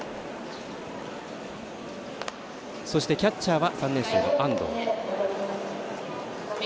そしてキャッチャーは３年生の安藤。